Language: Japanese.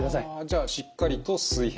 じゃあしっかりと水平。